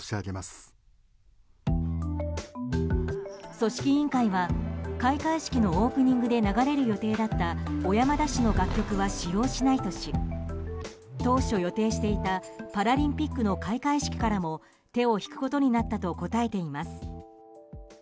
組織委員会は、開会式のオープニングで流れる予定だった小山田氏の楽曲は使用しないとし当初、予定していたパラリンピックの開会式からも手を引くことになったと答えています。